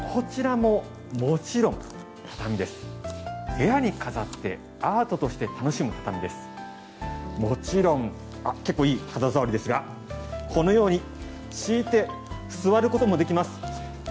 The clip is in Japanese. もちろんあっ結構いい肌触りですがこのように敷いて座ることもできます。